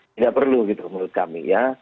tidak perlu gitu menurut kami ya